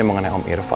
ini mengenai om irfan